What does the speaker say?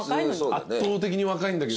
圧倒的に若いんだけどね。